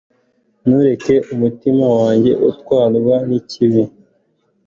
ntureke umutima wanjye utwarwa n'ikibi